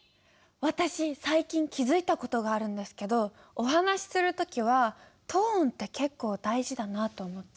私最近気付いた事があるんですけどお話しする時はトーンって結構大事だなと思って。